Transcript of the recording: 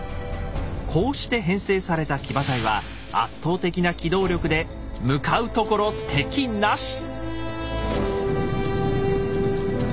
こうして編成された騎馬隊は圧倒的な機動力で向かうところ敵なし！